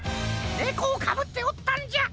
ネコをかぶっておったんじゃ！